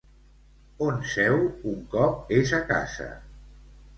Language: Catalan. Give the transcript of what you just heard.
On seu un cop és a casa?